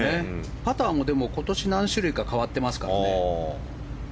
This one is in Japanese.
パターも今年何種類か変わっていますからね。